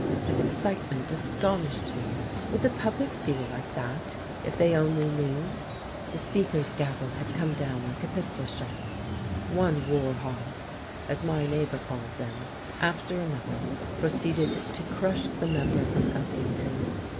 His excitement astonished me. Would the public feel like that, if they only knew?... The Speaker's gavel had come down like a pistol shot. One "war hoss" as my neighbour called them after another proceeded to crush the member from Elkington.